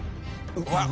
うわっ！